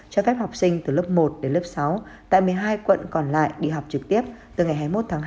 cho phép học sinh từ lớp một đến lớp sáu tại một mươi hai quận còn lại đi học trực tiếp từ ngày hai mươi một tháng hai năm hai nghìn hai mươi hai